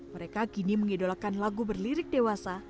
mereka kini mengidolakan lagu berlirik dewasa